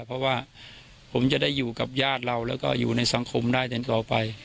เพราะว่าผมจะได้อยู่กับญาติเราแล้วก็อยู่ในสังคมได้ต่อไป